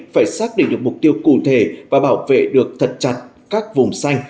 phải xác định được mục tiêu cụ thể và bảo vệ được thật chặt các vùng xanh